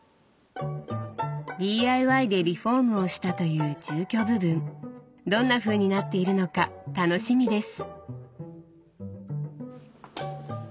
ＤＩＹでリフォームをしたという住居部分どんなふうになっているのか楽しみです。